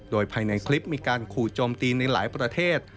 โดยภายในคลิปมีการขู่โจมตีในหลายประเทศ